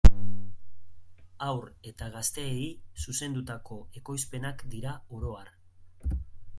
Haur eta gazteei zuzendutako ekoizpenak dira oro har.